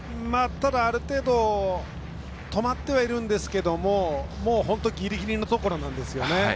ただある程度は止まっているんですけれど本当にぎりぎりのところなんですよね。